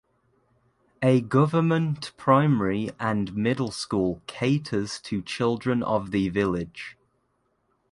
A government primary and middle school caters to children of the village.